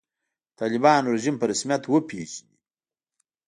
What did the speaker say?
د طالبانو رژیم په رسمیت وپېژني.